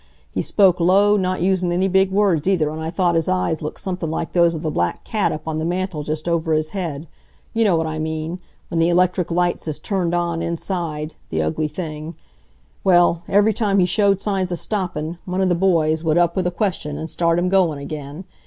He spoke low, not usin' any big words, either, an' I thought his eyes looked somethin' like those of the Black Cat up on the mantel just over his head you know what I mean, when the electric lights is turned on in inside the ugly thing. Well, every time he showed signs of stoppin', one of the boys would up with a question, and start him goin' again.